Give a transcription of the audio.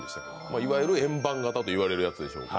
いわゆる円盤形と言われるやつじゃないでしょうか。